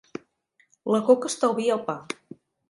La coca estalvia el pa.